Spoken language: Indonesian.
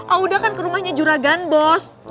a uda kan ke rumahnya juragan bos